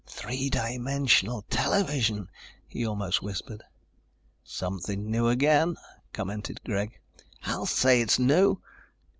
"Three dimensional television!" he almost whispered. "Something new again," commented Greg. "I'll say it's new!"